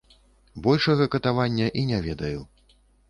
Большага катавання і не ведаю.